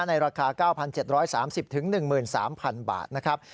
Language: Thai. ในราคา๙๗๓๐๑๓๐๐๐บาทนะครับ